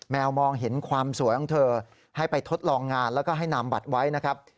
มองเห็นความสวยของเธอให้ไปทดลองงานแล้วก็ให้นามบัตรไว้นะครับ